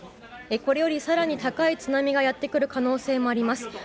これより更に高い津波がやってくる可能性もあります。